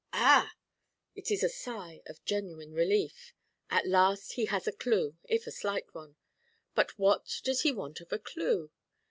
'Ah!' It is a sigh of genuine relief. At last he has a clue, if a slight one. But what does he want of a clue?